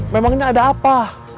memangnya ada apa